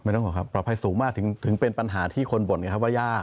ต้องบอกครับปลอดภัยสูงมากถึงเป็นปัญหาที่คนบ่นไงครับว่ายาก